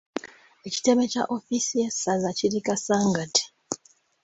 Ekitebe kya Ofiisi y'essaza kiri Kasangati.